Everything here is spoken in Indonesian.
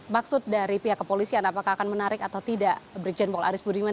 maksud dari pihak kepolisian apakah akan menarik atau tidak brigjen paul aris budiman